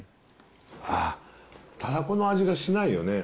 あー、たらこの味がしないよね。